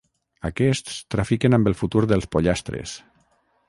Aquests trafiquen amb el futur dels pollastres.